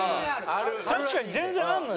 確かに全然あるのよ。